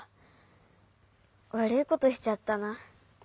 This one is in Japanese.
わるいことしちゃったな。